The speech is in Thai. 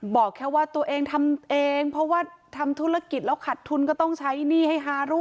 บอกแค่ว่าตัวเองทำเองเพราะว่าทำธุรกิจแล้วขัดทุนก็ต้องใช้หนี้ให้ฮารุ